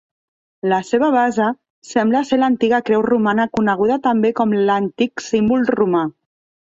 La seva base sembla ser l'antiga Creu Romana coneguda també com l'Antic Símbol Romà.